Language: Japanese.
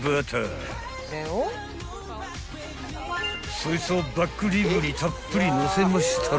［そいつをバックリブにたっぷりのせましたら］